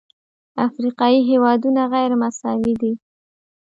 افریقایي هېوادونه غیرمساوي دي.